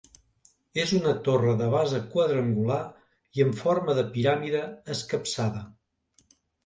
És una torre de base quadrangular i en forma de piràmide escapçada.